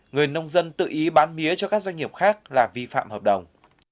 người nông dân tự ý bán mía cho các doanh nghiệp khác là vi phạm hợp đồng